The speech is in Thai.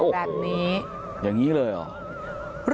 แบบนี้อย่างนี้เลยเหรอ